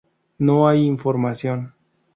No hay información.